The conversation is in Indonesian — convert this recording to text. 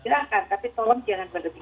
silahkan tapi tolong jangan berlebihan